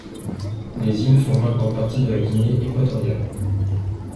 Les îles font maintenant partie de la Guinée équatoriale.